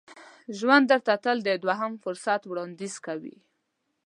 ژوند درته تل د دوهم فرصت وړاندیز کوي.